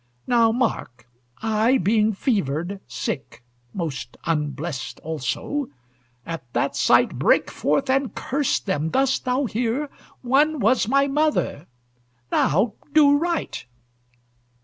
"Now mark! I, being fevered, sick (Most unblest also), at that sight Brake forth, and cursed them dost thou hear? One was my mother Now, do right!"